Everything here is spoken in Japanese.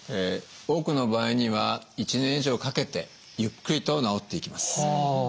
多くの場合には１年以上かけてゆっくりと治っていきます。